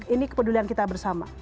ini kepedulian kita bersama